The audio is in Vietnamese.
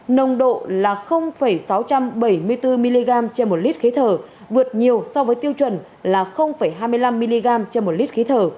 nồng độ là sáu trăm bảy mươi bốn mg trên một lít khế thở vượt nhiều so với tiêu chuẩn là hai mươi năm mg